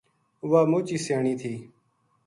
واہ مُچ ہی سیانی تھی